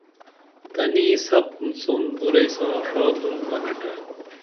تنی سپُن سون بُراعی ساں ڜا بُن پلٹے